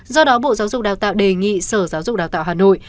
do đó bộ giáo dục đào tạo đề nghị sở giáo dục đào tạo hà nội